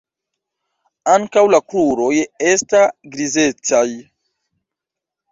Ankaŭ la kruroj esta grizecaj.